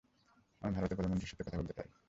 আমি ভারতের প্রধানমন্ত্রীর সাথে কথা বলতে চাই।